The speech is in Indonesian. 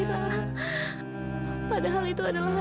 david kamu kenapa